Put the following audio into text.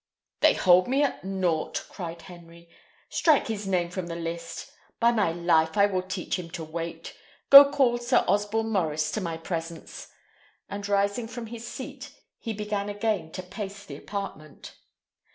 "They hold me at nought!" cried Henry. "Strike his name from the list! By my life, I will teach him to wait! Go call Sir Osborne Maurice to my presence," and rising from his seat, he began again to pace the apartment.